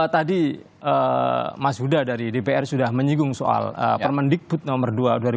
tadi mas huda dari dpr sudah menyinggung soal permendikbud nomor dua dua ribu dua puluh